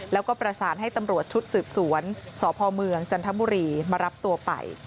แล้วก็ประสานให้ตำรวจชุดสืบสวนสพเมืองจันทบุรีมารับตัวไป